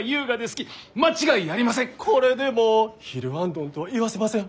これでもう昼行灯とは言わせません！